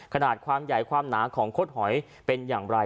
ขนาดความใหญ่ความหนาของคดหอยเป็นอย่างไร